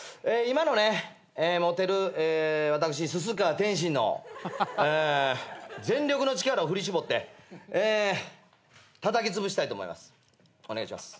今のね持てる私スス川天心の全力の力を振り絞ってたたきつぶしたいと思います。